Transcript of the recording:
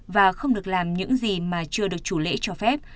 và không được làm những gì mà chưa được chủ lễ cho phép